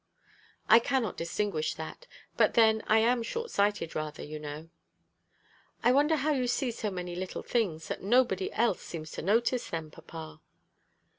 "I cannot distinguish that. But then I am shortsighted rather, you know." "I wonder how you see so many little things that nobody else seems to notice, then, papa."